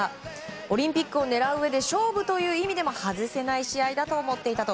オリンピックを狙ううえで勝負という意味でも外せない試合だと思っていたと。